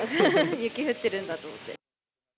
雪降ってるんだと思って。